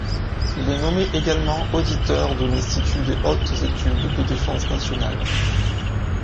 Il est nommé également auditeur de l'Institut des hautes études de Défense nationale.